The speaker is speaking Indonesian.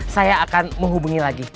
saya akan menghubungi lagi